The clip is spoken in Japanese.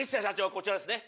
こちらですね。